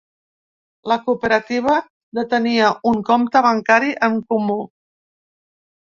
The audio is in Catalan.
La cooperativa detenia un compte bancari en comú.